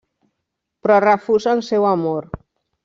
Però refusa el seu amor.